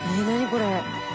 これ。